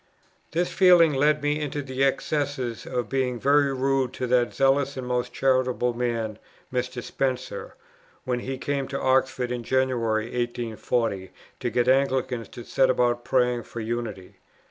This feeling led me into the excess of being very rude to that zealous and most charitable man, Mr. Spencer, when he came to Oxford in January, 1840, to get Anglicans to set about praying for Unity.